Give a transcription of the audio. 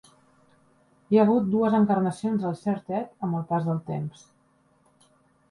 Hi ha hagut dues encarnacions del Cert Ed amb el pas del temps.